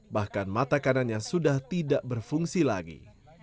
bahkan mata kanannya sudah tidak berfungsi lagi